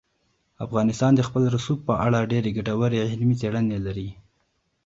افغانستان د خپل رسوب په اړه ډېرې ګټورې علمي څېړنې لري.